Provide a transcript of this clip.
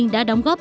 đã đóng góp